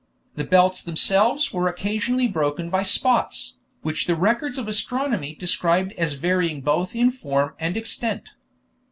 The belts themselves were occasionally broken by spots, which the records of astronomy describe as varying both in form and in extent.